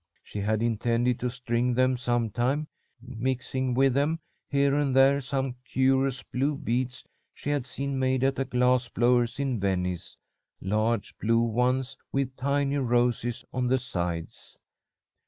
She had intended to string them sometime, mixing with them here and there some curious blue beads she had seen made at a glass blower's in Venice large blue ones with tiny roses on the sides.